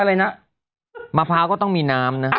อะไรนะมะพร้าวก็ต้องมีน้ำนะ